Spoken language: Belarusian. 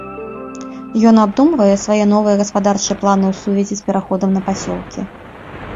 Ён абдумвае свае новыя гаспадарчыя планы ў сувязі з пераходам на пасёлкі.